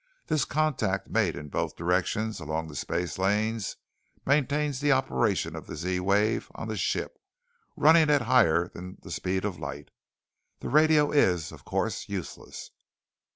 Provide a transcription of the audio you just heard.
This contact made in both directions along the spacelanes, maintains the operation of the Z wave on the ship, running at higher than the speed of light. The radio is, of course, useless.